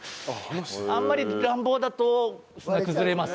あんまり乱暴だと崩れます。